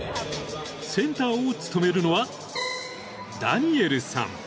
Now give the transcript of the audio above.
［センターを務めるのはダニエルさん］